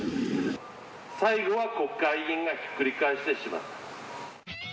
最後は国会議員がひっくり返してしまった。